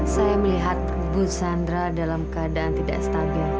saya melihat bu sandra dalam keadaan tidak stabil